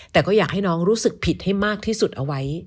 แต่ก็อยากให้น้องรู้สึกผิดให้มากที่สุดเอาไว้